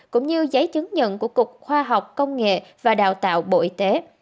cũng như giấy chứng nhận của cục khoa học công nghệ và đào tạo bộ y tế